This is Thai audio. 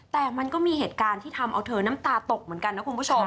แต่มันก็มีเหตุการณ์ที่ทำเอาเธอน้ำตาตกเหมือนกันนะคุณผู้ชม